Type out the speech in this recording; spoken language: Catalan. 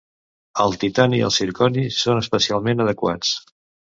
El titani i el zirconi són especialment adequats.